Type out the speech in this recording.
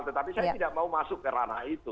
tetapi saya tidak mau masuk ke ranah itu